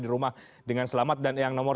di rumah dengan selamat dan yang nomor